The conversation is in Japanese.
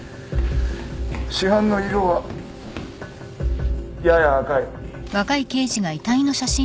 死斑の色はやや赤い。